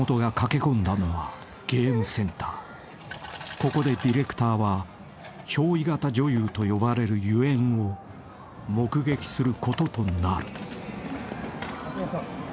［ここでディレクターは憑依型女優と呼ばれるゆえんを目撃することとなる］